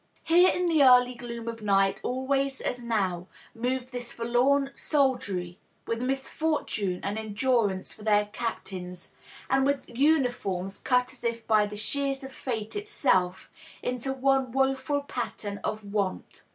Here in the early gloom of night always as now move this forlorn soldiery, with misfortune and endurance for their captains, and with uniforms cut as if by the shears of fate itself into one woful pattern of want.